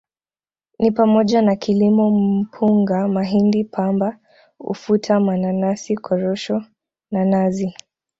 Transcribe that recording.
Ni pamoja na kilimo Mpunga Mahindi Pamba Ufuta Mananasi Korosho na Nazi